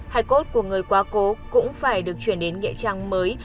hải cốt của người quá cố cũng phải được chuyển đến nghệ trang mới